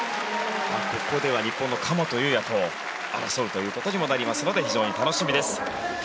ここでは日本の神本雄也と争うということにもなりますので非常に楽しみです。